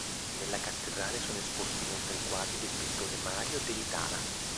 Nella cattedrale sono esposti inoltre i quadri del pittore Mario Delitala.